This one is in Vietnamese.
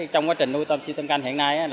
trong quá trình nuôi tôm siêu thâm canh